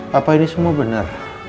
papa ini semua benar